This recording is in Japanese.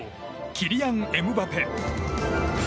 キリアン・エムバペ。